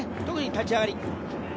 特に立ち上がり。